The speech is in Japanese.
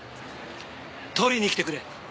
取りに来てくれ。